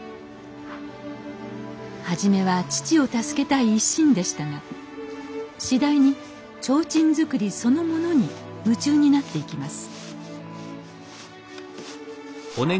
初めは父を助けたい一心でしたが次第に提灯作りそのものに夢中になっていきます